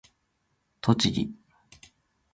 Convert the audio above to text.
栃木